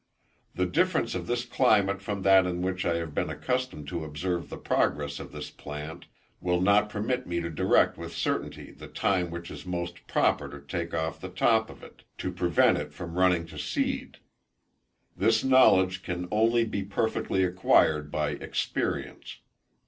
The difference of this climate from that in which I have been accustomed to observe the progress of this plant, will not permit me to direct with certainty the time which is most proper to take off the top of it, to prevent it from running to seed. This knowledge can only be perfectly acquired by experience.